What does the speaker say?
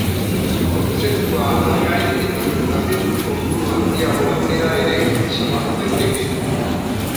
Kontzeptua aldagai eta tratamendu kopuru handiago batera ere zabaldu daiteke.